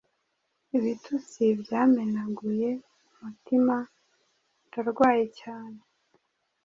Ibitutsi byamenaguye umutima, ndarwaye cyane: